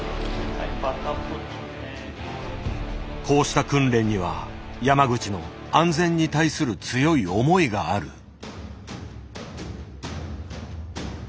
こうした訓練には山口の安全に対する強い思いがある。